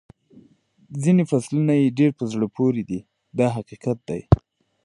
ځینې فصلونه یې ډېر په زړه پورې دي دا حقیقت دی.